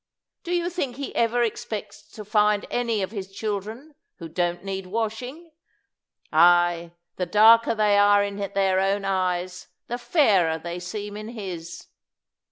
Do you think He ever expects to find any of His children who don't need washing? Ay, the darker they are in their own eyes, the fairer they seem in His!"